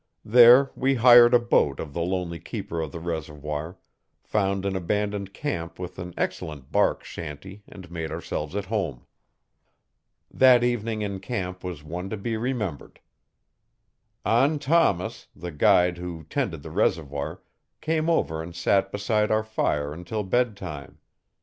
There we hired a boat of the lonely keeper of the reservoir, found an abandoned camp with an excellent bark shanty and made ourselves at home. That evening in camp was one to be remembered. An Thomas, the guide who tended the reservoir, came over and sat beside our fire until bedtime.